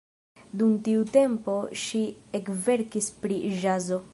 Dum tiu tempo ŝi ekverkis pri ĵazo.